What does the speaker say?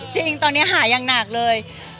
จริงตอนนี้หาอย่างหนักเลย